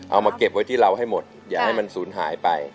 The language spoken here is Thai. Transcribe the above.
เอามาเก็บไว้ที่เราให้หมดอย่าให้มันสูญหายไป